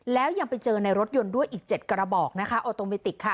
แล้วยังไปเจอในรถยนต์ด้วยอีก๗กระบอกนะคะออโตเมติกค่ะ